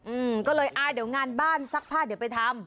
อืมก็เลยอ่าเดี๋ยวงานบ้านซักผ้าเดี๋ยวไปทำ